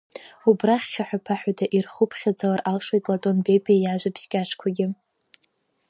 Убрахь хьаҳәа-ԥаҳәада, ирхуԥхьаӡалар алшоит Платон Бебиа иажәабжь кьаҿқәагьы.